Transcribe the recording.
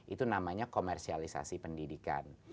itu namanya komersialisasi pendidikan